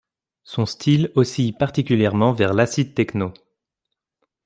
Son style oscille particulièrement vers l'acid techno.